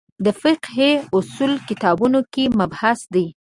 د فقهې اصولو کتابونو کې مبحث دی.